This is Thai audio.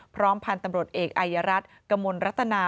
พร้อมพันธ์ตำรวจเอกอายรัฐกมลรัตนา